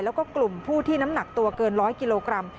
แล้วก็กลุ่มผู้ที่น้ำหนักตัวเกิน๑๐๐กิโลกรัม